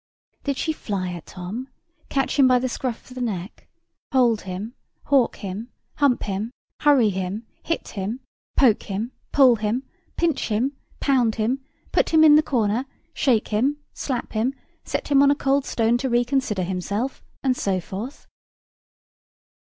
Did she fly at Tom, catch him by the scruff of the neck, hold him, howk him, hump him, hurry him, hit him, poke him, pull him, pinch him, pound him, put him in the corner, shake him, slap him, set him on a cold stone to reconsider himself, and so forth?